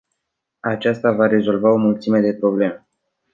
Aceasta va rezolva o mulțime de probleme.